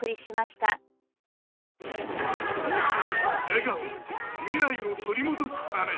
笑顔未来を取り戻すため